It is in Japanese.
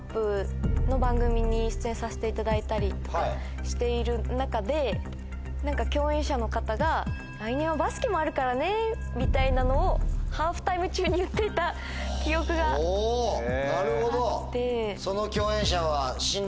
させていただいたりとかしている中で共演者の方が「来年はバスケもあるからね」みたいなのをハーフタイム中に言っていた記憶があって。